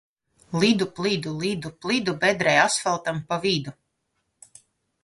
Lidu plidu, lidu plidu, bedrē asfaltam pa vidu!